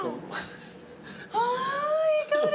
わあいい香り。